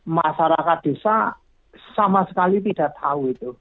masyarakat desa sama sekali tidak tahu itu